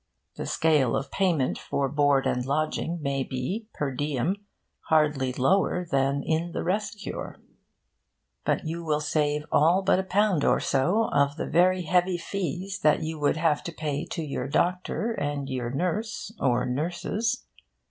The scale of payment for board and lodging may be, per diem, hardly lower than in the 'rest cure'; but you will save all but a pound or so of the very heavy fees that you would have to pay to your doctor and your nurse (or nurses).